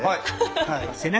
はい。